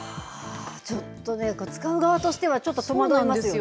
ちょっと使う側としては戸惑いますよね。